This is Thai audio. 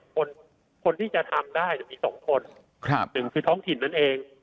คนคนที่จะทำได้มีสองคนครับหนึ่งคือท้องถิ่นนั่นเอง